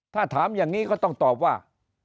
ถ้าถามอย่างนี้ก็ต้องตอบว่า